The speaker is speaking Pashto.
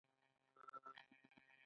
پکورې د یادونو نه جلا نه دي